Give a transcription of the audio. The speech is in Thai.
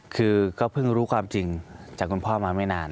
คือก็เพิ่งรู้ความจริงจากคุณพ่อมาไม่นาน